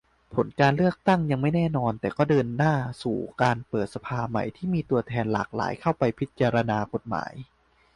ผลการเลือกตั้งยังไม่แน่นอน แต่ก็เดินหน้าสู่การเปิดสภาใหม่ ที่มีตัวแทนหลากหลายเข้าไปพิจารณากฎหมาย